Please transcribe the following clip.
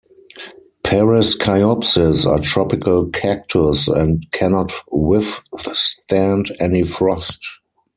"Pereskiopsis" are tropical cactus and can not withstand any frost.